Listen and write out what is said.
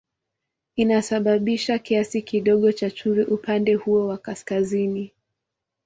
Inasababisha kiasi kidogo cha chumvi upande huo wa kaskazini.